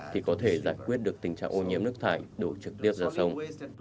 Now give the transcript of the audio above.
thì có thể giải quyết được tình trạng ô nhiễm nước thải đổ trực tiếp ra sông